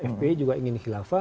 fpi juga ingin khilafah